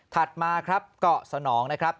ถัดมาเกาะสนองนะครับ